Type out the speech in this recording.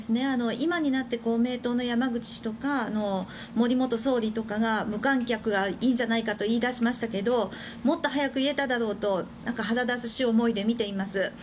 今になって公明党の山口氏とか森元総理とかが無観客いいんじゃないかと言い出しましたけどもっと早く言えただろうと腹立たしい思いで見ています。